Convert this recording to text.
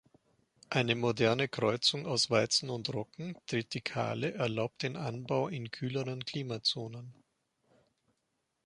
Eine moderne Kreuzung aus Weizen und Roggen, Triticale, erlaubt den Anbau in kühleren Klimazonen.